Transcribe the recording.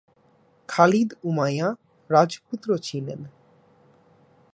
খালিদ উমাইয়া রাজপুত্র ছিলেন।